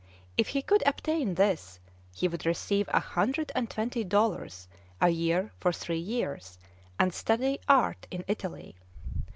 If he could obtain this, he would receive a hundred and twenty dollars a year for three years, and study art in Italy.